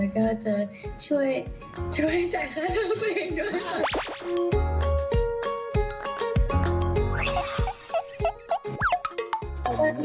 ก็จะช่วยช่วยจ่ายค่าเล่าเพลงด้วยค่ะ